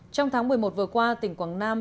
trong tháng một mươi một vừa qua tỉnh quảng nam